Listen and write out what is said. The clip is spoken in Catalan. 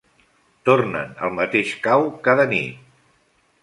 Tornen al mateix cau cada nit.